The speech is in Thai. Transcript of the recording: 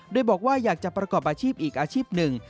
โดยบอกว่าอยากจะประกอบอาชีพอีกอาชีพหนึ่ง